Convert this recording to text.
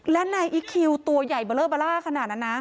แล้วนายอีคิวตัวใหญ่เบลอขนาดนั้นนะ